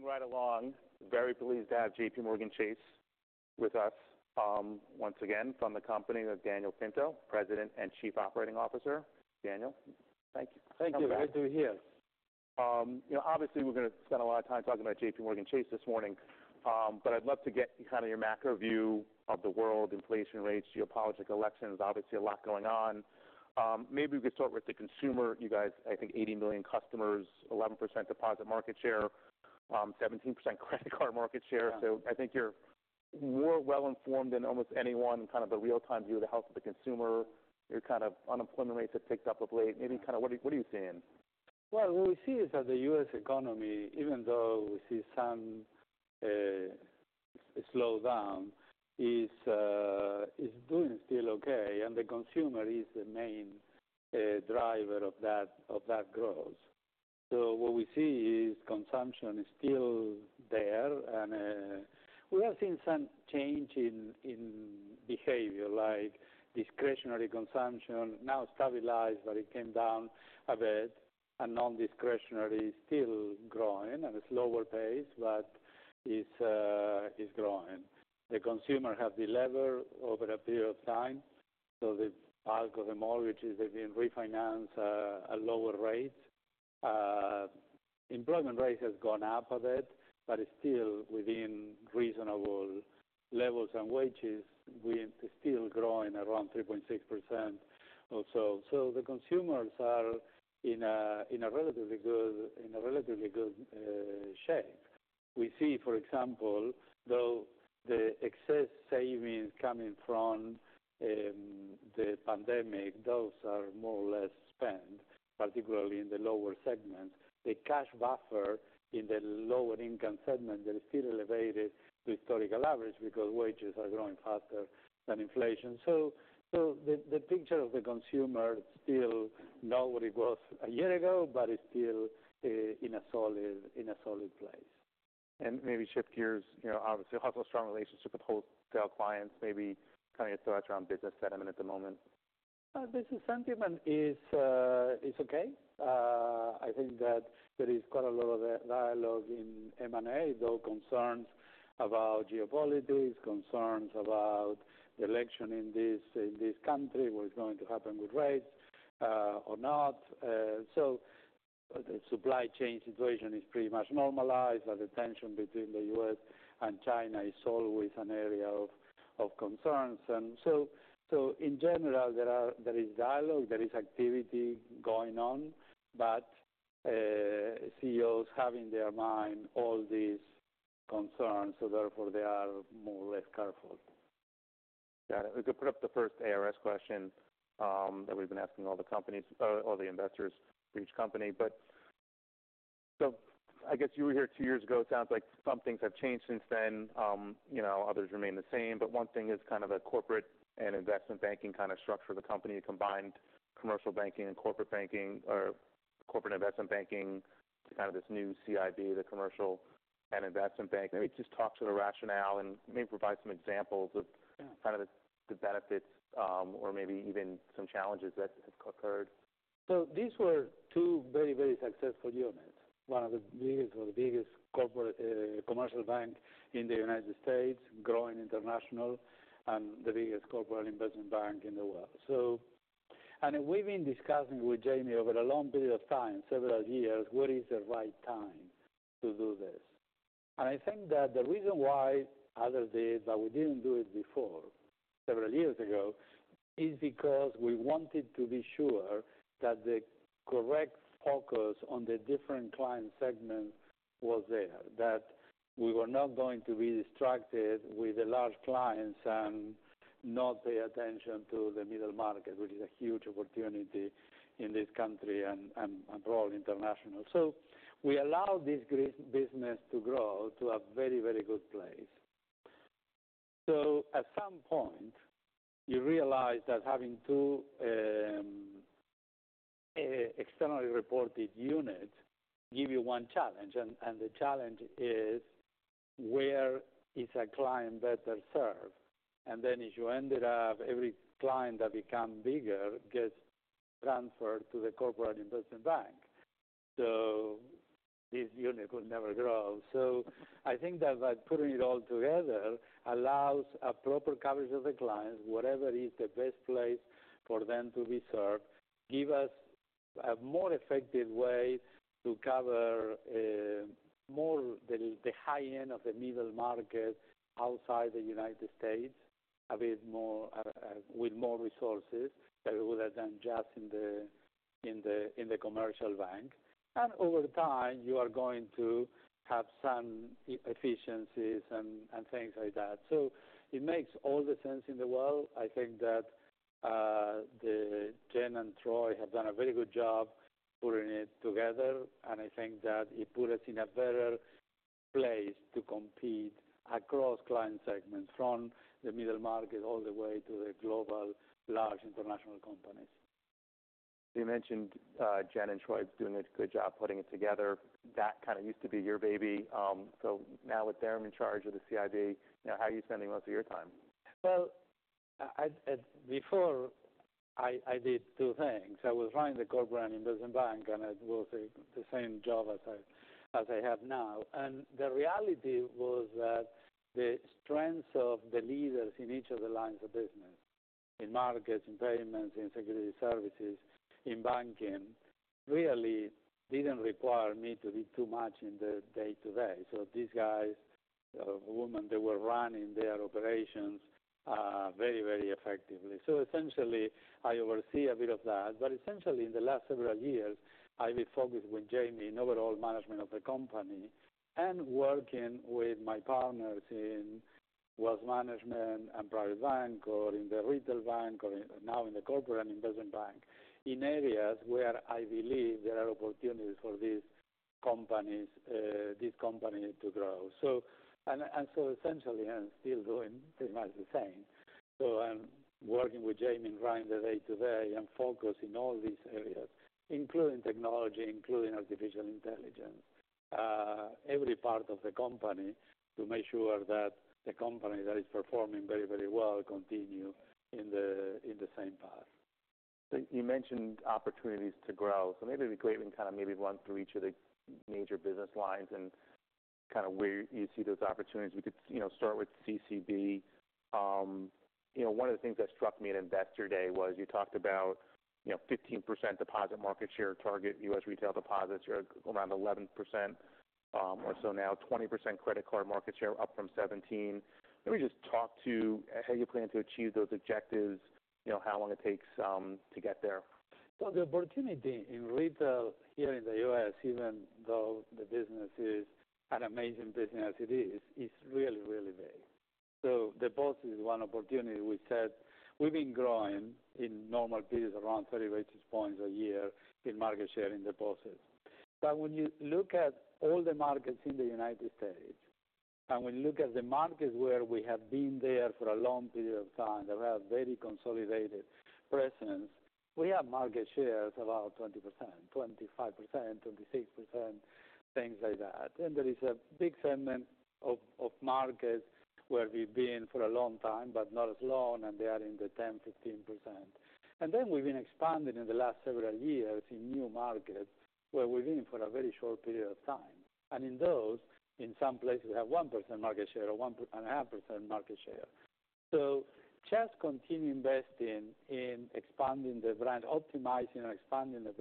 Moving right along, very pleased to have JPMorgan Chase with us, once again, from the company of Daniel Pinto, President and Chief Operating Officer. Daniel, thank you. Thank you. Glad to be here. You know, obviously, we're gonna spend a lot of time talking about JPMorgan Chase this morning. But I'd love to get kind of your macro view of the world, inflation rates, geopolitical elections, obviously a lot going on. Maybe we could start with the consumer. You guys, I think 80 million customers, 11% deposit market share, 17% credit card market share. Yeah. So I think you're more well informed than almost anyone, kind of the real-time view of the health of the consumer. Your kind of unemployment rates have picked up of late. Maybe kind of what are you seeing? What we see is that the U.S. economy, even though we see some slowdown, is doing still okay, and the consumer is the main driver of that growth. What we see is consumption is still there, and we have seen some change in behavior, like discretionary consumption now stabilized, but it came down a bit, and non-discretionary is still growing at a slower pace, but it's growing. The consumer have delevered over a period of time, so the bulk of the mortgages have been refinanced at a lower rate. Employment rate has gone up a bit, but it's still within reasonable levels, and wages is still growing around 3.6% also. The consumers are in a relatively good shape. We see, for example, though, the excess savings coming from the pandemic, those are more or less spent, particularly in the lower segments. The cash buffer in the lower income segment is still elevated historical average because wages are growing faster than inflation, so the picture of the consumer is still not what it was a year ago, but it's still in a solid place. Maybe shift gears, you know, obviously you have a strong relationship with wholesale clients. Maybe kind of your thoughts around business sentiment at the moment. Business sentiment is okay. I think that there is quite a lot of dialogue in M&A, though concerns about geopolitics, concerns about the election in this country, what is going to happen with rates, or not. So the supply chain situation is pretty much normalized, but the tension between the U.S. and China is always an area of concerns. In general, there is dialogue, there is activity going on, but CEOs have in their mind all these concerns, so therefore they are more or less careful. Got it. We could put up the first ARS question that we've been asking all the companies, all the investors for each company, but so I guess you were here two years ago. It sounds like some things have changed since then, you know, others remain the same, but one thing is kind of the Corporate & Investment Banking kind of structure of the company. You combined Commercial Banking and Corporate Banking, or Corporate & Investment Banking, to kind of this new CIB, the Commercial and Investment Bank. Maybe just talk to the rationale and maybe provide some examples of- Yeah Kind of the benefits, or maybe even some challenges that have occurred. These were two very, very successful units. One of the biggest or the biggest Commercial Bank in the United States, growing international, and the biggest Corporate & Investment Bank in the world. And we've been discussing with Jamie over a long period of time, several years, what is the right time to do this. And I think that the reason why, as it is, that we didn't do it before, several years ago, is because we wanted to be sure that the correct focus on the different client segments was there, that we were not going to be distracted with the large clients and not pay attention to the middle market, which is a huge opportunity in this country and all international. So we allowed this great business to grow to a very, very good place. So at some point, you realize that having two externally reported units give you one challenge, and the challenge is, where is a client better served? And then as you ended up, every client that become bigger gets transferred to the Corporate & Investment Bank, so this unit would never grow. So I think that by putting it all together allows a proper coverage of the clients, whatever is the best place for them to be served, give us a more effective way to cover more the high end of the middle market outside the United States, a bit more with more resources, rather than just in the Commercial Bank. And over time, you are going to have some efficiencies and things like that. So it makes all the sense in the world. I think that, Jenn and Troy have done a very good job putting it together, and I think that it put us in a better place to compete across client segments, from the middle market all the way to the global, large international companies. You mentioned Jenn and Troy doing a good job putting it together. That kind of used to be your baby. So now with them in charge of the CIB, now, how are you spending most of your time? Well, before I did two things. I was running the Corporate & Investment Bank, and it was the same job as I have now. And the reality was that the strengths of the leaders in each of the lines of business, in Markets, in Payments, in Securities Services, in Banking, really didn't require me to do too much in the day-to-day. So these guys, women, they were running their operations very effectively. So essentially, I oversee a bit of that. But essentially, in the last several years, I've been focused with Jamie in overall management of the company and working with my partners in Wealth Management and Private Bank, or in the Retail Bank, now in the Corporate & Investment Bank, in areas where I believe there are opportunities for these companies, this company to grow. Essentially, I'm still doing pretty much the same. I'm working with Jamie in running the day-to-day and focusing all these areas, including technology, including artificial intelligence, every part of the company to make sure that the company that is performing very, very well continue in the same path. So you mentioned opportunities to grow. So maybe we could kind of maybe run through each of the major business lines and kind of where you see those opportunities. We could, you know, start with CCB. You know, one of the things that struck me at Investor Day was you talked about, you know, 15% deposit market share target, U.S. retail deposits are around 11%, or so now, 20% credit card market share, up from 17%. Let me just talk to how you plan to achieve those objectives, you know, how long it takes, to get there. The opportunity in retail here in the U.S., even though the business is an amazing business as it is, is really, really big. Deposits is one opportunity. We said we've been growing in normal periods around 30 basis points a year in market share in deposits. When you look at all the markets in the United States, and when you look at the markets where we have been there for a long period of time, that have very consolidated presence, we have market shares about 20%, 25%, 26%, things like that. There is a big segment of Markets where we've been for a long time, but not as long, and they are in the 10%, 15%. We've been expanding in the last several years in new markets where we've been for a very short period of time. And in those, in some places, we have 1% market share or 1.5% market share. So just continue investing in expanding the brand, optimizing and expanding the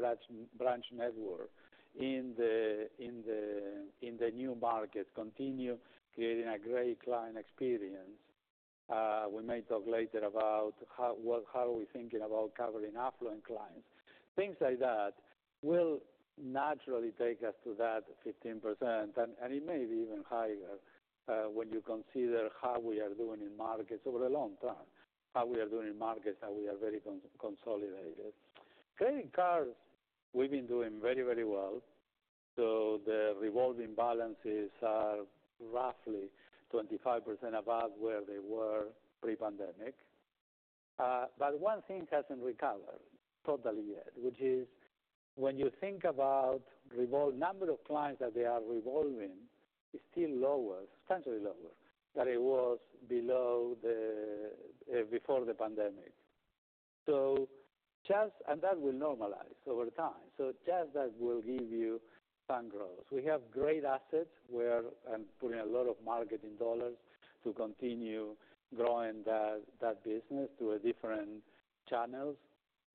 branch network in the new markets, continue creating a great client experience. We may talk later about how we are thinking about covering affluent clients. Things like that will naturally take us to that 15%, and it may be even higher, when you consider how we are doing in Markets over a long time, how we are very consolidated. Credit cards, we've been doing very, very well. So the revolving balances are roughly 25% above where they were pre-pandemic. But one thing hasn't recovered totally yet, which is when you think about number of clients that they are revolving, is still lower, substantially lower, than it was before the pandemic. And that will normalize over time. Just that will give you some growth. We have great assets. We're putting a lot of marketing dollars to continue growing that business through different channels.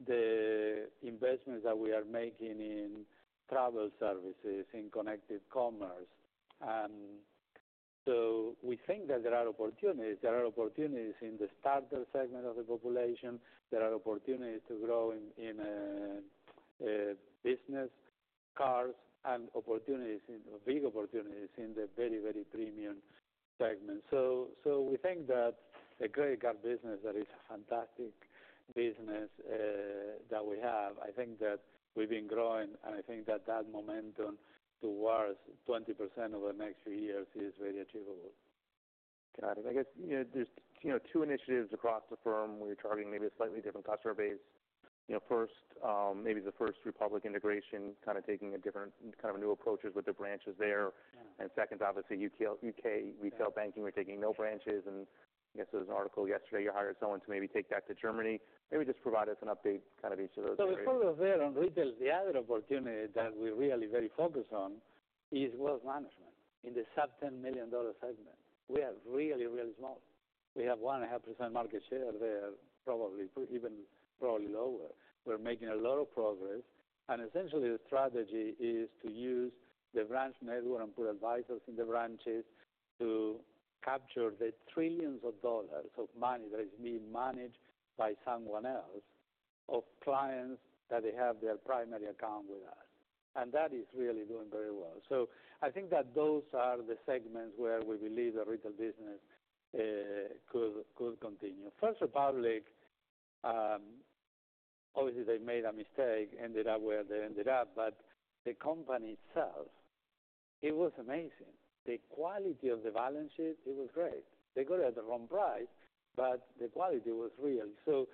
The investments that we are making in Travel Services, in Connected Commerce, and so we think that there are opportunities. There are opportunities in the starter segment of the population. There are opportunities to grow in business cards and big opportunities in the very, very premium segment, so we think that the credit card business, that is a fantastic business, that we have. I think that we've been growing, and I think that that momentum towards 20% over the next few years is very achievable. Got it. I guess, you know, there's, you know, two initiatives across the firm where you're targeting maybe a slightly different customer base. You know, first, maybe the First Republic integration, kind of taking a different, kind of new approaches with the branches there. Yeah. Second, obviously, U.K. retail banking, we're taking no branches. I guess there was an article yesterday, you hired someone to maybe take that to Germany. Maybe just provide us an update, kind of each of those areas. We focus there on retail. The other opportunity that we're really very focused on is Wealth Management in the sub-$10 million dollar segment. We are really, really small. We have 1.5% market share there, probably even lower. We're making a lot of progress, and essentially the strategy is to use the branch network and put advisors in the branches to capture the trillions of dollars of money that is being managed by someone else, of clients that they have their primary account with us. That is really doing very well. I think that those are the segments where we believe the retail business could continue. First Republic obviously they made a mistake, ended up where they ended up, but the company itself, it was amazing. The quality of the balance sheet, it was great. They got it at the wrong price, but the quality was real. So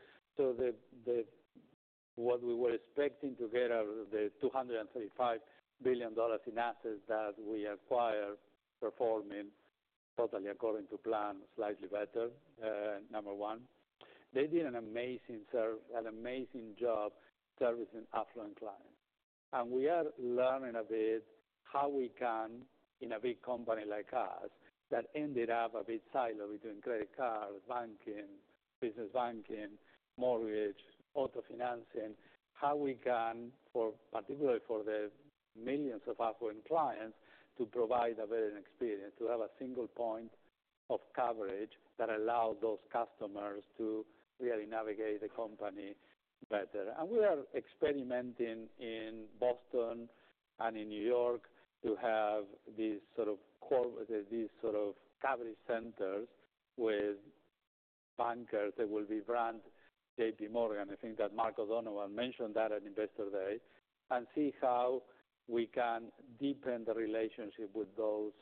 what we were expecting to get out of the $235 billion in assets that we acquired, performing totally according to plan, slightly better, number one. They did an amazing job servicing affluent clients. And we are learning a bit how we can, in a big company like us, that ended up a bit siloed between Credit Card, Banking, Business Banking, Mortgage, Auto Financing, how we can, for particularly for the millions of affluent clients, to provide a better experience, to have a single point of coverage that allow those customers to really navigate the company better. And we are experimenting in Boston and in New York to have these sort of coverage centers with bankers that will be branded JPMorgan. I think that Mark O'Donovan mentioned that at Investor Day, and see how we can deepen the relationship with those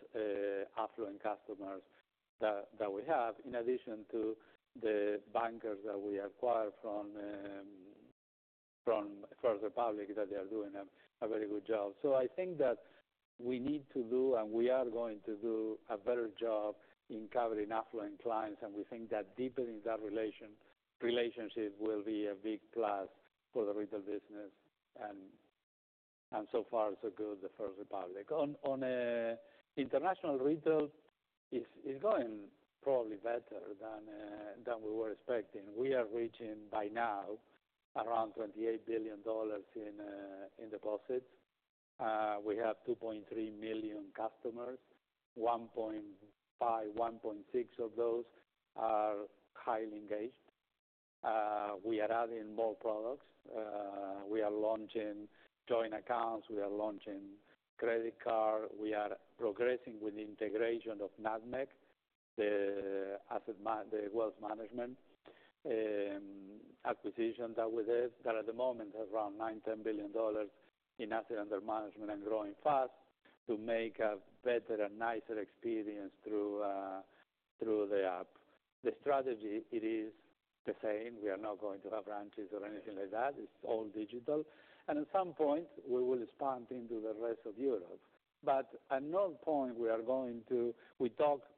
affluent customers that we have, in addition to the bankers that we acquired from First Republic, that they are doing a very good job. So I think that we need to do, and we are going to do, a better job in covering affluent clients, and we think that deepening that relationship will be a big plus for the retail business, and so far, so good, the First Republic. On international retail is going probably better than we were expecting. We are reaching, by now, around $28 billion in deposits. We have 2.3 million customers, 1.5 million, 1.6 million of those are highly engaged. We are adding more products. We are launching joint accounts, we are launching Credit Card, we are progressing with the integration of Nutmeg, the Wealth Management acquisition that we did, that at the moment have around $9 billion-$10 billion in assets under management and growing fast, to make a better and nicer experience through the app. The strategy, it is the same. We are not going to have branches or anything like that. It's all digital, and at some point, we will expand into the rest of Europe, but at no point we are going to. We talked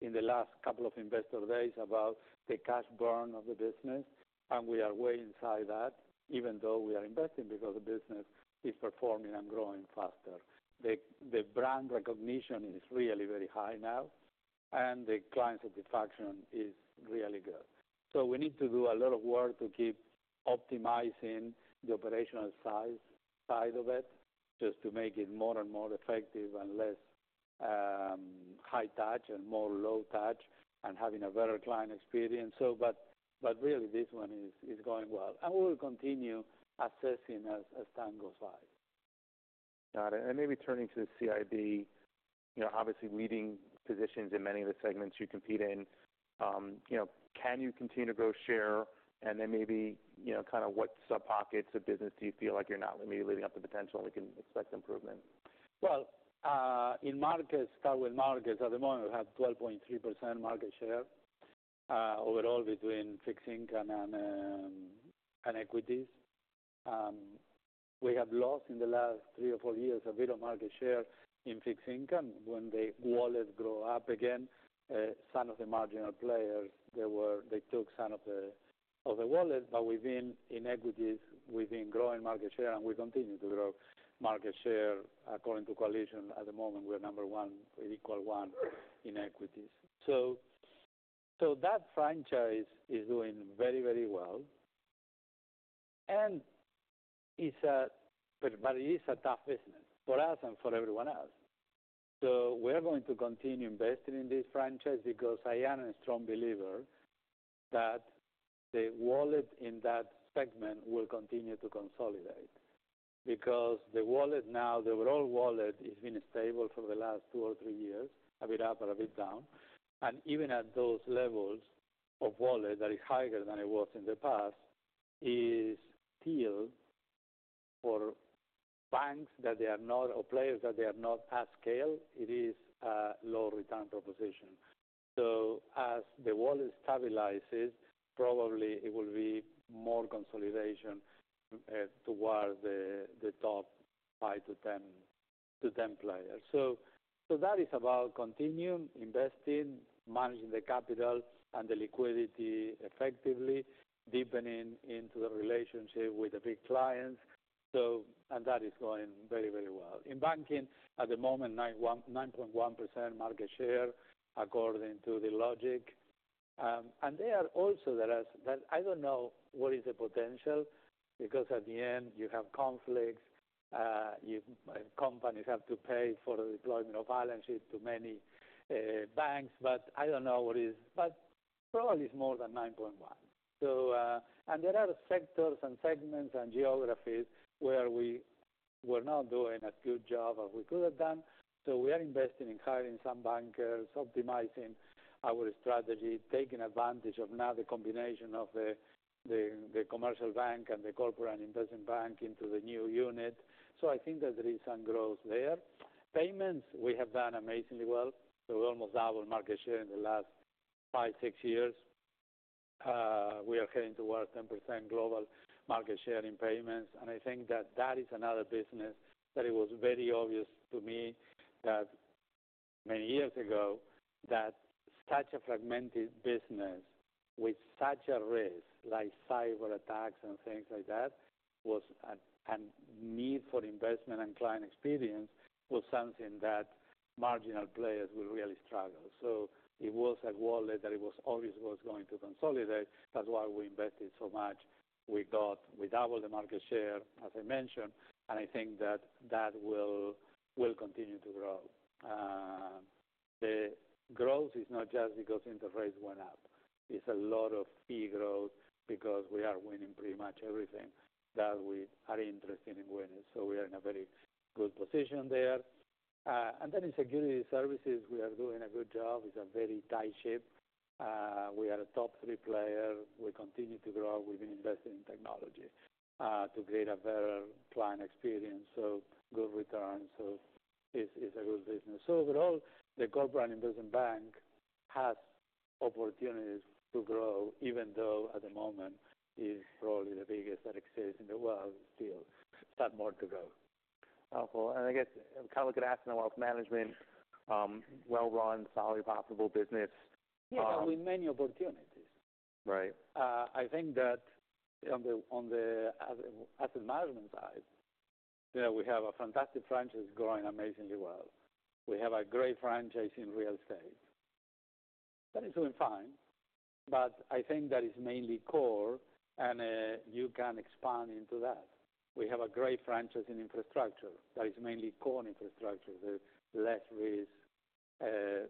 in the last couple of Investor Days about the cash burn of the business, and we are way inside that, even though we are investing, because the business is performing and growing faster. The brand recognition is really very high now, and the client satisfaction is really good. So we need to do a lot of work to keep optimizing the operational size, side of it, just to make it more and more effective and less high-touch and more low-touch, and having a better client experience. So, but really, this one is going well, and we will continue assessing as time goes by. Got it. And maybe turning to CIB, you know, obviously, leading positions in many of the segments you compete in. You know, can you continue to grow share? And then maybe, you know, kind of what sub-pockets of business do you feel like you're not maybe living up to potential? We can expect improvement? In Markets, start with Markets, at the moment, we have 12.3% market share overall between Fixed Income and Equities. We have lost in the last three or four years a bit of market share in Fixed Income. When the wallet grow up again, some of the marginal players they took some of the wallet, but within Equities, we've been growing market share, and we continue to grow market share. According to Coalition, at the moment, we're number one, equal one in Equities. So that franchise is doing very, very well. And it's, but it is a tough business for us and for everyone else. We're going to continue investing in this franchise because I am a strong believer that the wallet in that segment will continue to consolidate, because the wallet now, the overall wallet, has been stable for the last two or three years, a bit up or a bit down. Even at those levels of wallet that is higher than it was in the past is still for banks or players that are not at scale, it is a low return proposition. As the wallet stabilizes, probably it will be more consolidation towards the top 5-10 players. That is about continuing investing, managing the capital and the liquidity effectively, deepening into the relationship with the big clients. That is going very, very well. In banking, at the moment, 9.1% market share, according to Dealogic. And they are also the rest, but I don't know what is the potential, because at the end, you have conflicts, companies have to pay for the deployment of balance sheet to many banks, but I don't know what is. But probably it's more than 9.1%. So, and there are sectors and segments and geographies where we were not doing as good job as we could have done. So we are investing in hiring some bankers, optimizing our strategy, taking advantage of now the combination of the Commercial Bank and the Corporate & Investment Bank into the new unit. So I think that there is some growth there. Payments, we have done amazingly well. So we almost doubled market share in the last five, six years, we are heading towards 10% global market share in payments, and I think that is another business that it was very obvious to me that many years ago, that such a fragmented business with such a risk, like cyber attacks and things like that, was a need for investment and client experience, was something that marginal players will really struggle, so it was a wallet that it always was going to consolidate. That's why we invested so much. We doubled the market share, as I mentioned, and I think that will continue to grow. The growth is not just because interest rates went up. It's a lot of fee growth because we are winning pretty much everything that we are interested in winning, so we are in a very good position there. And then in Security Services, we are doing a good job. It's a very tight ship. We are a top three player. We continue to grow. We've been investing in technology to create a better client experience, so good returns, so it's a good business. So overall, the Corporate & Investment Bank has opportunities to grow, even though at the moment it's probably the biggest that exists in the world, still got more to go. Wonderful. And I guess, kind of look at Asset and Wealth Management, well run, solid, profitable business. Yeah, with many opportunities. Right. I think that on the, on the asset management side, yeah, we have a fantastic franchise growing amazingly well. We have a great franchise in Real Estate. That is doing fine, but I think that is mainly core and, you can expand into that. We have a great franchise in infrastructure, that is mainly core infrastructure, the less risk,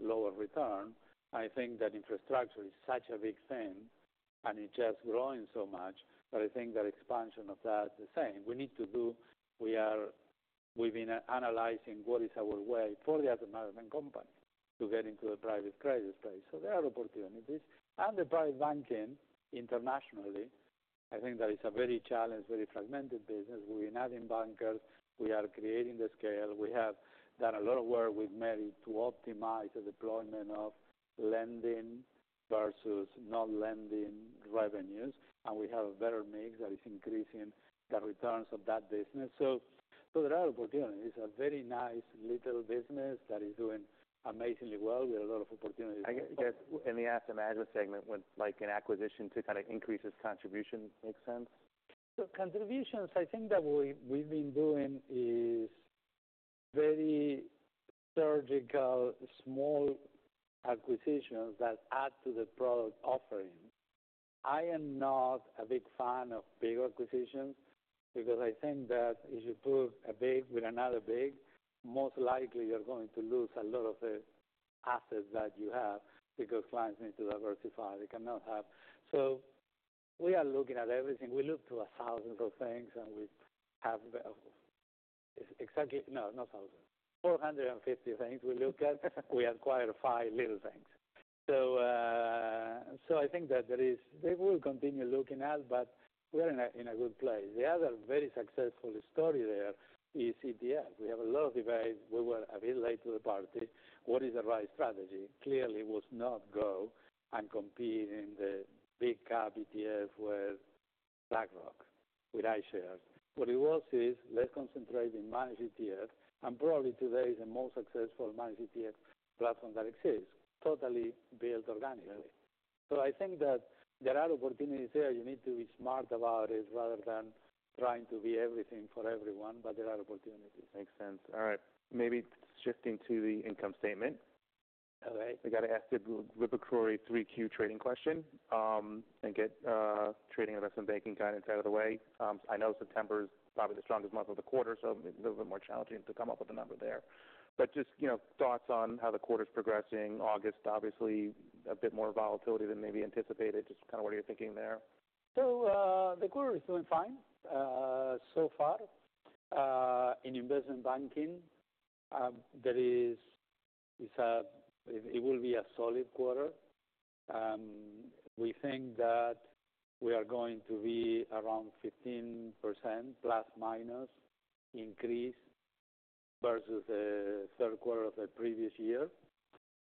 lower return. I think that infrastructure is such a big thing, and it's just growing so much, but I think that expansion of that is the same. We've been analyzing what is our way for the Asset Management company to get into the private credit space. So there are opportunities. The private banking internationally, I think that is a very challenged, very fragmented business. We're adding bankers, we are creating the scale. We have done a lot of work with Mary to optimize the deployment of lending versus non-lending revenues, and we have a better mix that is increasing the returns of that business. So, there are opportunities. It's a very nice little business that is doing amazingly well. We have a lot of opportunities. I guess, in the Asset Management segment, would like an acquisition to kind of increase its contribution, makes sense? So contributions, I think that what we, we've been doing is very surgical, small acquisitions that add to the product offering. I am not a big fan of big acquisitions, because I think that if you put a big with another big, most likely you're going to lose a lot of the assets that you have, because clients need to diversify. They cannot have. So we are looking at everything. We look to thousands of things, and we have exactly- no, not thousands, 450 things we look at. We acquire five little things. So I think that there is- we will continue looking at, but we are in a good place. The other very successful story there is ETF. We have a lot of debate. We were a bit late to the party. What is the right strategy? Clearly, it was not to go and compete in the big-cap ETF with BlackRock, with iShares. What it was, is let's concentrate in managed ETF, and probably today is the most successful managed ETF platform that exists, totally built organically. So I think that there are opportunities there. You need to be smart about it, rather than trying to be everything for everyone, but there are opportunities. Makes sense. All right, maybe shifting to the income statement. Okay. We got to ask the recurring 3Q trading question, and get trading investment banking guidance out of the way. I know September is probably the strongest month of the quarter, so it's a little bit more challenging to come up with a number there. But just, you know, thoughts on how the quarter is progressing. August, obviously, a bit more volatility than maybe anticipated. Just kind of what are you thinking there? So, the quarter is doing fine, so far. In Investment Banking, it will be a solid quarter. We think that we are going to be around 15%± increase versus the third quarter of the previous year,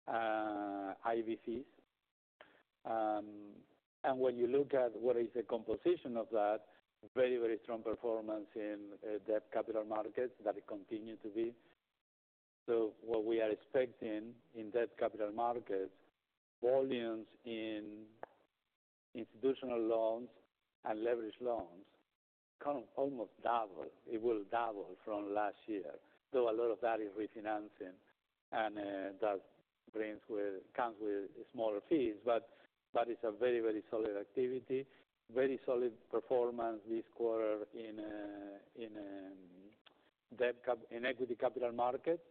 IB fees. And when you look at what is the composition of that, very, very strong performance in Debt Capital Markets, that it continue to be. So what we are expecting in Debt Capital Markets, volumes in Institutional Loans and Leveraged Loans, kind of almost double. It will double from last year, though a lot of that is refinancing, and that comes with smaller fees. But it's a very, very solid activity, very solid performance this quarter in Equity Capital Markets.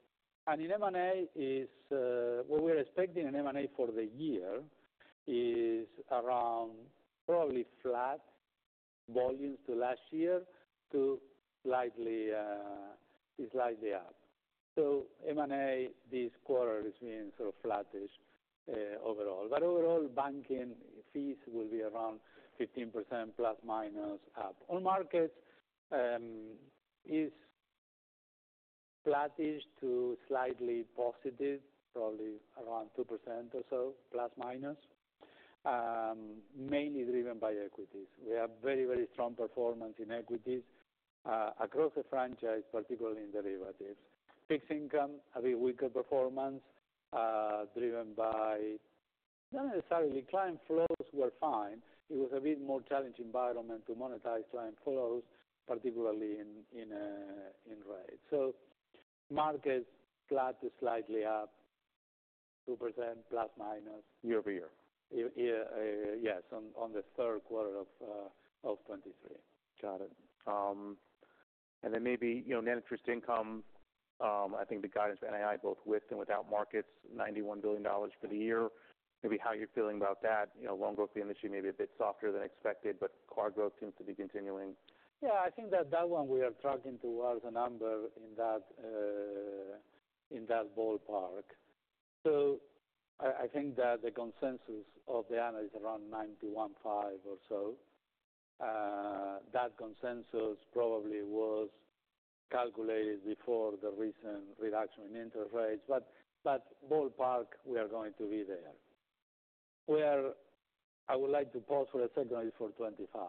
And in M&A is what we're expecting in M&A for the year is around probably flat volumes to last year, to slightly up. So M&A this quarter is being sort of flattish overall. But overall, banking fees will be around 15%± up. All Markets flattish to slightly positive, probably around 2% or so, plus or minus, mainly driven by Equities. We have very, very strong performance in Equities across the franchise, particularly in derivatives. Fixed Income, a bit weaker performance, driven by not necessarily client flows were fine. It was a bit more challenging environment to monetize client flows, particularly in rates. So Markets flat to slightly up 2%±. Year-over-year. Yeah, yes, on the third quarter of 2023. Got it. And then maybe, you know, net interest income, I think the guidance NII, both with and without Markets, $91 billion for the year. Maybe how you're feeling about that, you know, loan growth industry may be a bit softer than expected, but Card growth seems to be continuing. Yeah, I think that one we are tracking towards a number in that ballpark. So I think that the consensus of the analyst is around $91.5 billion or so. That consensus probably was calculated before the recent reduction in interest rates, but ballpark, we are going to be there. Where I would like to pause for a second is for 2025.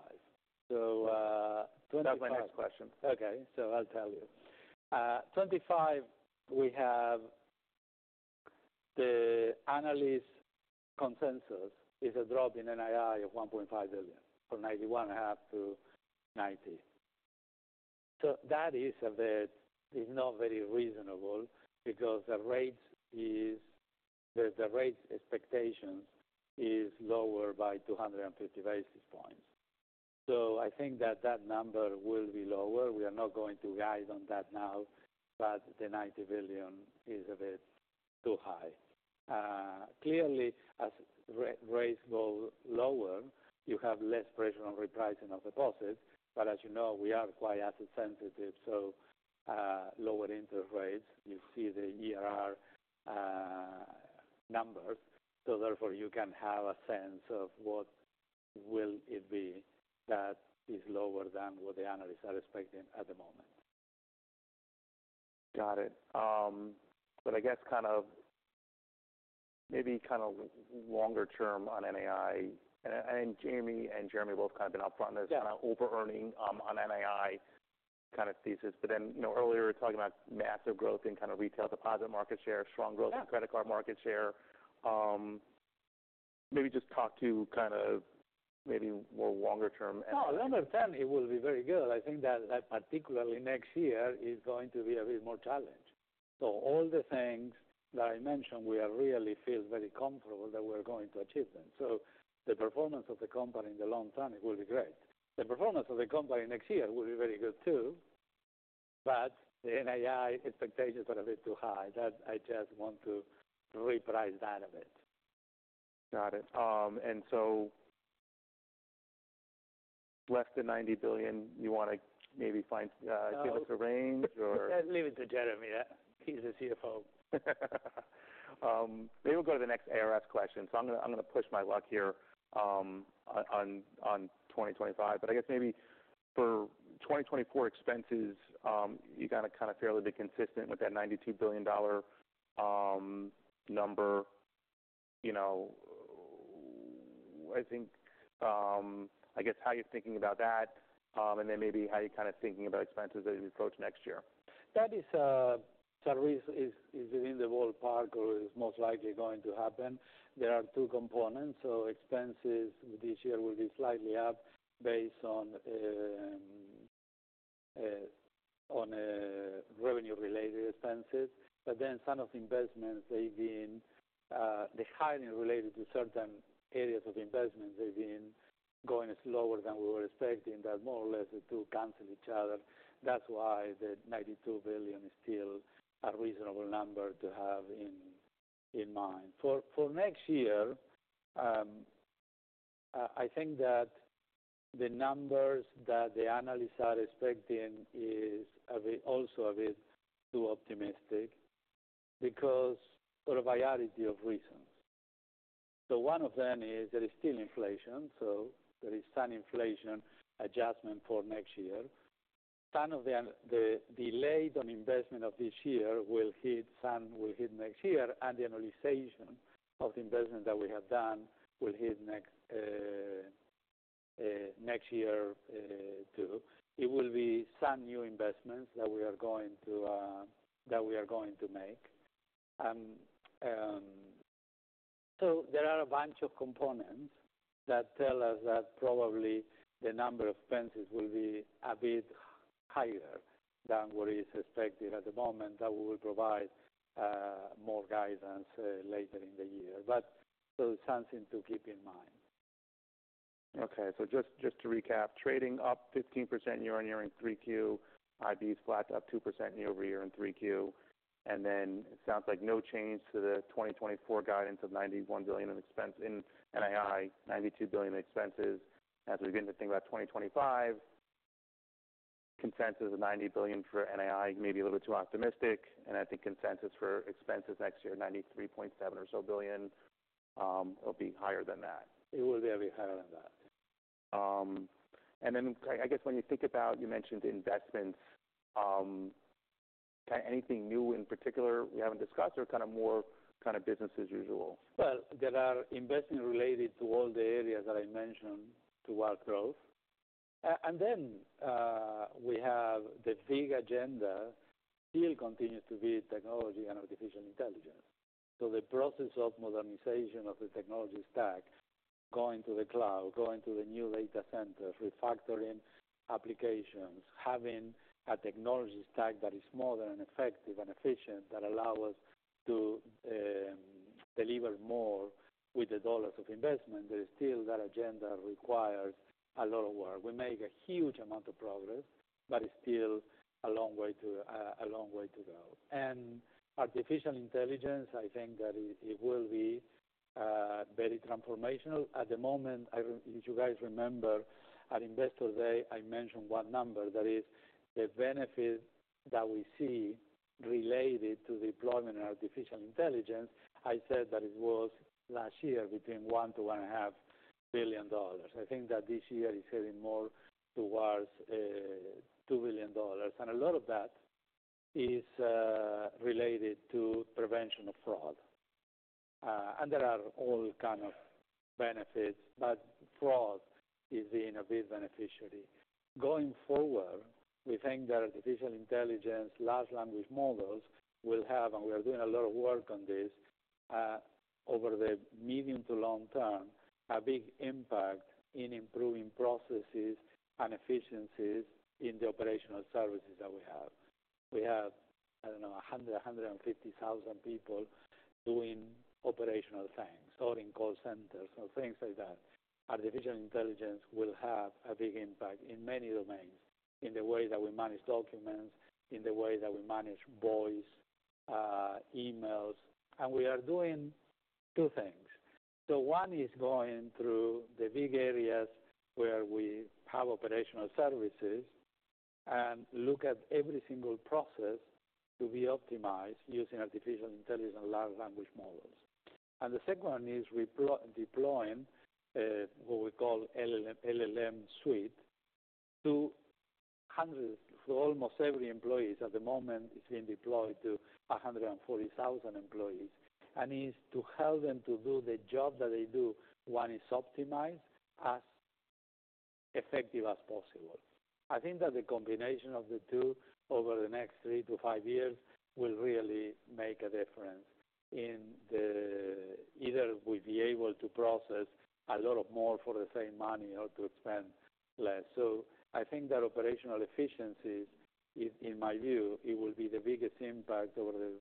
So, 2025- That's my next question. Okay, so I'll tell you. 2025, we have the analyst consensus is a drop in NII of $1.5 billion, from $91.5 billion to $90 billion. So that is a bit is not very reasonable because the rate expectations is lower by 250 basis points. So I think that number will be lower. We are not going to guide on that now, but the $90 billion is a bit too high. Clearly, as rates go lower, you have less pressure on repricing of deposits, but as you know, we are quite asset sensitive, so lower interest rates, you see the EaR numbers. So therefore, you can have a sense of what will it be that is lower than what the analysts are expecting at the moment. Got it, but I guess kind of, maybe kind of longer term on NII, and Jamie and Jeremy both kind of been upfront. Yeah On this overearning, on NII kind of thesis. But then, you know, earlier, talking about massive growth in kind of retail deposit market share, strong growth- Yeah - in credit card market share. Maybe just talk to kind of maybe more longer term. No, longer term, it will be very good. I think that, that particularly next year is going to be a bit more challenged. So all the things that I mentioned, we are really feel very comfortable that we're going to achieve them. So the performance of the company in the long term, it will be great. The performance of the company next year will be very good, too, but the NII expectations are a bit too high. That I just want to reprice that a bit. Got it. And so less than $90 billion, you want to maybe find, give us a range, or? Leave it to Jeremy. He's the CFO. Maybe we'll go to the next ARS question so I'm gonna push my luck here on 2025 but I guess maybe for 2024 expenses you got it kind of fairly consistent with that $92 billion number. You know, I think, I guess, how you're thinking about that and then maybe how you're kind of thinking about expenses as we approach next year. That is within the ballpark or is most likely going to happen. There are two components, so expenses this year will be slightly up based on revenue-related expenses. But then some of the investments, they've been the hiring related to certain areas of investment, they've been going slower than we were expecting, that more or less the two cancel each other. That's why the $92 billion is still a reasonable number to have in mind. For next year, I think that the numbers that the analysts are expecting is a bit, also a bit too optimistic because for a variety of reasons. So one of them is there is still inflation, so there is some inflation adjustment for next year. Some of the delays on investment of this year will hit, some will hit next year, and the annualization of the investment that we have done will hit next year, too. It will be some new investments that we are going to make. So there are a bunch of components that tell us that probably the number of expenses will be a bit higher than what is expected at the moment. That we will provide more guidance later in the year. But so something to keep in mind. Okay, so just to recap, trading up 15% year-on-year in 3Q, IB's flat, up 2% year-over-year in 3Q. Then it sounds like no change to the 2024 guidance of $91 billion in expenses and NII, $92 billion in expenses. As we begin to think about 2025, consensus of $90 billion for NII may be a little bit too optimistic, and I think consensus for expenses next year, $93.7 billion or so, will be higher than that. It will be a bit higher than that. And then, I guess when you think about, you mentioned investments, anything new in particular we haven't discussed or kind of more kind of business as usual? There are investments related to all the areas that I mentioned to our growth. And then we have the big agenda still continues to be technology and artificial intelligence. The process of modernization of the technology stack, going to the cloud, going to the new data centers, refactoring applications, having a technology stack that is modern and effective and efficient, that allow us to deliver more with the dollars of investment, there is still that agenda requires a lot of work. We make a huge amount of progress, but it's still a long way to go. And artificial intelligence, I think that it will be very transformational. At the moment, if you guys remember, at Investor Day, I mentioned one number that is the benefit that we see related to deployment of artificial intelligence. I said that it was last year between $1 billion-$1.5 billion. I think that this year is heading more towards $2 billion, and a lot of that is related to prevention of fraud. And there are all kind of benefits, but fraud is being a big beneficiary. Going forward, we think that artificial intelligence, large language models, will have, and we are doing a lot of work on this, over the medium to long term, a big impact in improving processes and efficiencies in the operational services that we have. We have, I don't know, 100,000-150,000 people doing operational things or in call centers or things like that. Artificial intelligence will have a big impact in many domains, in the way that we manage documents, in the way that we manage voice, emails. And we are doing two things. So one is going through the big areas where we have operational services and look at every single process to be optimized using artificial intelligence and large language models. And the second one is we deploying what we call LLM, LLM Suite to hundreds, to almost every employees. At the moment, it's being deployed to 140,000 employees, and is to help them to do the job that they do, one, is optimized, as effective as possible. I think that the combination of the two over the next 3-5 years will really make a difference in either we'll be able to process a lot of more for the same money or to spend less. I think that operational efficiencies, in my view, it will be the biggest impact over the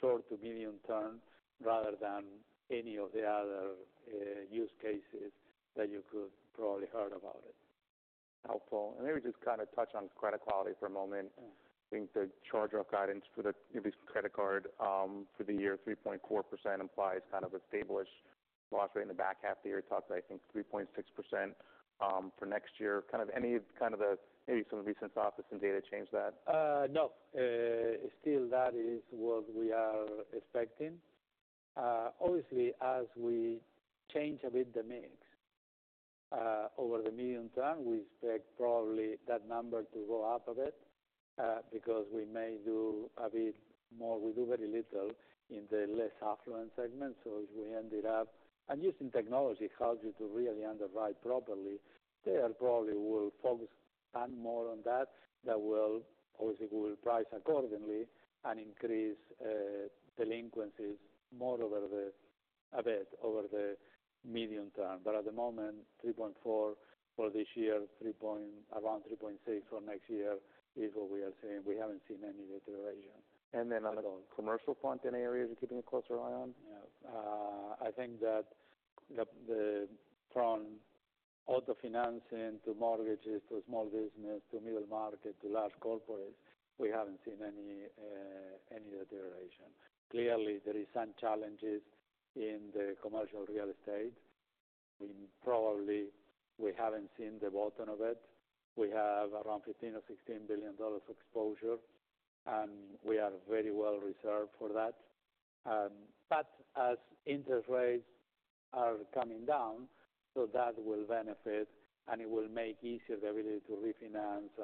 short to medium term, rather than any of the other use cases that you could probably heard about it. Helpful. And maybe just kind of touch on credit quality for a moment. I think the charge-off guidance for the Ubisoft Credit Card for the year 3.4% implies kind of a stableish loss rate in the back half of the year, tops, I think, 3.6% for next year. Any kind of maybe some recent softness in data changed that? No. Still, that is what we are expecting. Obviously, as we change a bit the mix over the medium-term, we expect probably that number to go up a bit, because we may do a bit more. We do very little in the less affluent segment, so using technology helps you to really underwrite properly; there probably will be more focus on that. That will, obviously, we will price accordingly and increase delinquencies a bit more over the medium term, but at the moment, 3.4% for this year, around 3.6% for next year is what we are seeing. We haven't seen any deterioration. And then on the commercial front, any areas you're keeping a closer eye on? Yeah. I think that from auto financing to mortgages, to small business, to middle market, to large corporates, we haven't seen any deterioration. Clearly, there is some challenges in the commercial real estate, and probably we haven't seen the bottom of it. We have around $15 billion or $16 billion exposure, and we are very well reserved for that. But as interest rates are coming down, that will benefit, and it will make easier the ability to refinance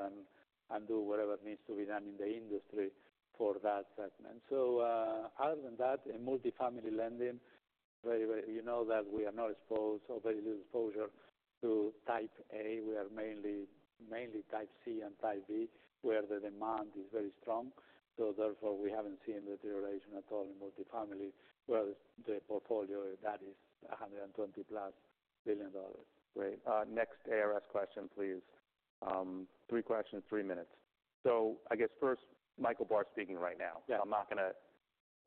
and do whatever needs to be done in the industry for that segment. Other than that, in multifamily lending, very, you know that we are not exposed or very little exposure to type A. We are mainly type C and type B, where the demand is very strong. Therefore, we haven't seen deterioration at all in multifamily, where the portfolio, that is $120+ billion. Great. Next ARS question, please. Three questions, three minutes. I guess first, Michael Barr is speaking right now. Yeah. I'm not gonna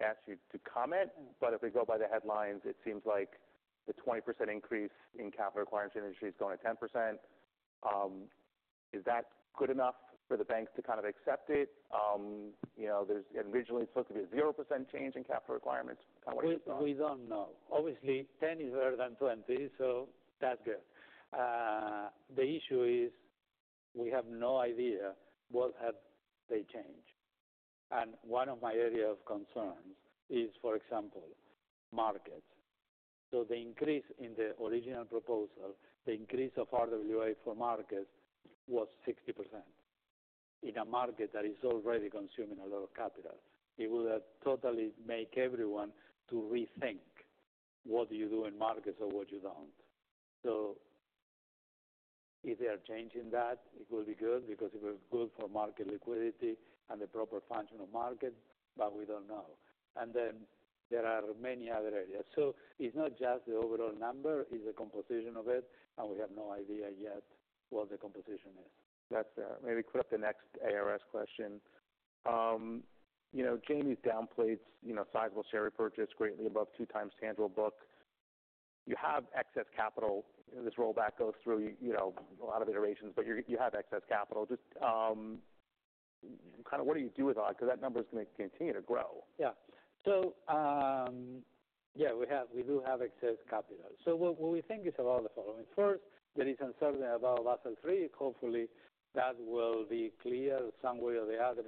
ask you to comment, but if we go by the headlines, it seems like the 20% increase in capital requirements in the industry is going to 10%. Is that good enough for the banks to kind of accept it? You know, there's originally supposed to be a 0% change in capital requirements. Kind of what are your thoughts? We don't know. Obviously, 10 is better than 20, so that's good. The issue is we have no idea what have they changed. And one of my area of concerns is, for example, Markets. So the increase in the original proposal, the increase of RWA for Markets was 60%. In a market that is already consuming a lot of capital, it will totally make everyone to rethink what do you do in Markets or what you don't. So if they are changing that, it will be good because it will be good for market liquidity and the proper function of market, but we don't know. And then there are many other areas. So it's not just the overall number, it's the composition of it, and we have no idea yet what the composition is. That's fair. Maybe put up the next ARS question. You know, Jamie downplays, you know, sizable share repurchase greatly above two times tangible book. You have excess capital. This rollback goes through, you know, a lot of iterations, but you have excess capital. Just, kind of what do you do with all it? Because that number is gonna continue to grow. Yeah. So, yeah, we have, we do have excess capital. So what we think is about the following. First, there is uncertainty about Basel III. Hopefully, that will be clear some way or the other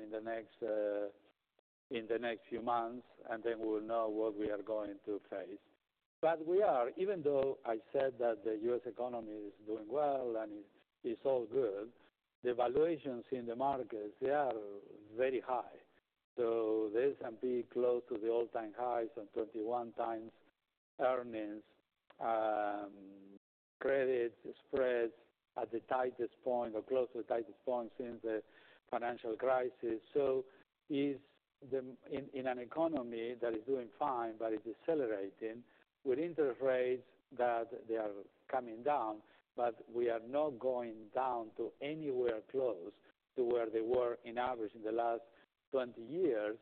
in the next few months, and then we will know what we are going to face. But we are even though I said that the U.S. economy is doing well and it's all good, the valuations in the markets, they are very high. So the S&P close to the all-time highs and 31x earnings, credit spreads at the tightest point or close to the tightest point since the financial crisis. In an economy that is doing fine but is decelerating, with interest rates that they are coming down, but we are not going down to anywhere close to where they were in average in the last 20 years,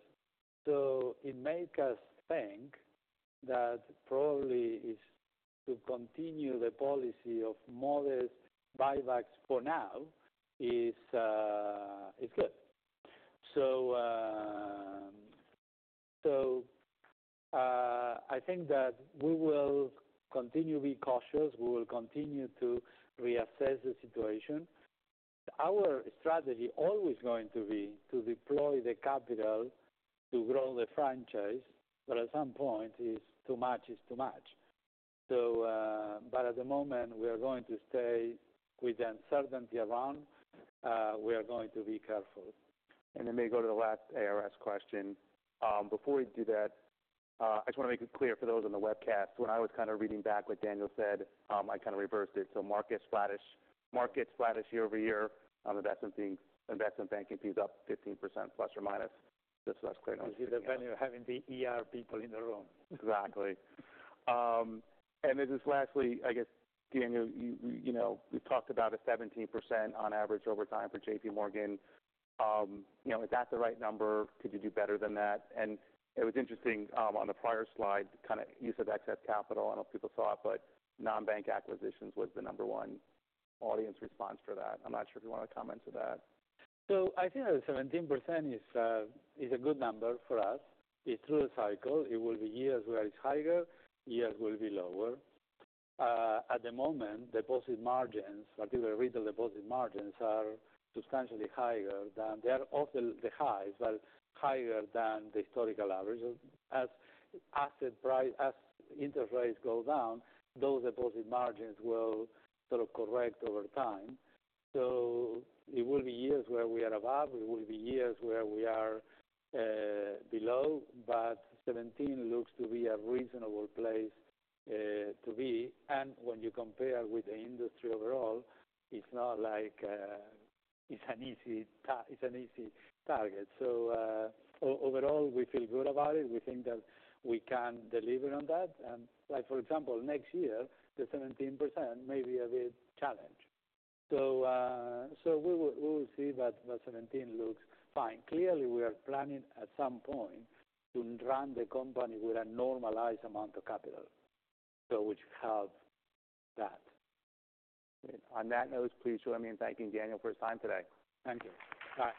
so it make us think that probably is to continue the policy of modest buybacks for now is good. I think that we will continue to be cautious. We will continue to reassess the situation. Our strategy always going to be to deploy the capital to grow the franchise, but at some point, too much is too much, but at the moment, we are going to stay with the uncertainty around, we are going to be careful. And then we go to the last ARS question. Before we do that, I just want to make it clear for those on the webcast. When I was kind of reading back what Daniel said, I kind of reversed it. So Markets flattish year-over-year Investment Banking fees up 15%±. Just so that's clear. You see the value of having the ER people in the room. Exactly. And this is lastly, I guess, Daniel, you know, we've talked about 17% on average over time for JPMorgan. You know, is that the right number? Could you do better than that? And it was interesting, on the prior slide, kind of use of excess capital. I don't know if people saw it, but non-bank acquisitions was the number one audience response for that. I'm not sure if you want to comment to that. So I think that 17% is a good number for us. It's through the cycle. It will be years where it's higher, years will be lower. At the moment, deposit margins, in particular retail deposit margins, are substantially higher than they are off the highs, but higher than the historical averages. As asset price, as interest rates go down, those deposit margins will sort of correct over time. It will be years where we are above, it will be years where we are below, but 17% looks to be a reasonable place to be, and when you compare with the industry overall, it's not like it's an easy target. Overall, we feel good about it. We think that we can deliver on that. Like, for example, next year, the 17% may be a bit challenged. So, we will see, but the 17% looks fine. Clearly, we are planning at some point to run the company with a normalized amount of capital, so which have that. On that note, please join me in thanking Daniel for his time today. Thank you. Bye.